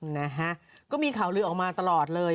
นะฮะก็มีข่าวลือออกมาตลอดเลย